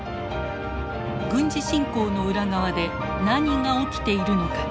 軍事侵攻の裏側で何が起きているのか。